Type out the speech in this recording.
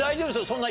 そんな。